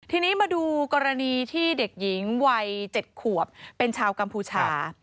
ทีนี้มาดูกรณีที่เด็กหญิงวัย๗ขวบเป็นชาวกัมพูชา